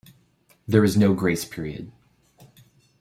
There is no grace period.